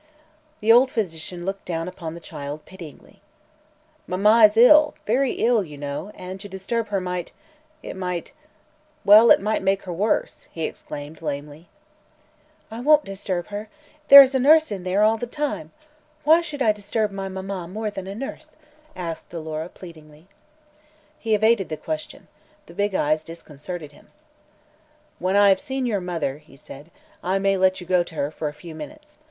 The old physician looked down upon the child pityingly. "Mamma is ill very ill, you know and to disturb her might it might well, it might make her worse," he explained lamely. "I won't disturb her. There's a nurse in there, all the time. Why should I disturb my mamma more than a nurse?" asked Alora pleadingly. He evaded the question. The big eyes disconcerted him. "When I have seen your mother," said he, "I may let you go to her for a few minutes.